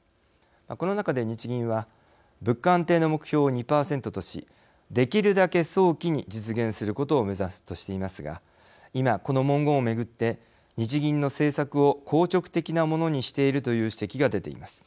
この中で日銀は物価安定の目標を２％としできるだけ早期に実現することを目指すとしていますが今、この文言を巡って日銀の政策を硬直的なものにしているという指摘が出ています。